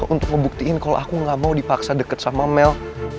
untuk ngebuktiin kalau aku gak mau dipaksa dekat sama mel